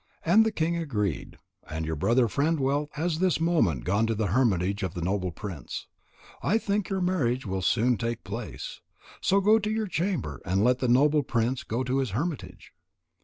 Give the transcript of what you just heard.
And the king agreed, and your brother Friend wealth has this moment gone to the hermitage of the noble prince. I think your marriage will soon take place. So go to your chamber, and let the noble prince go to his hermitage."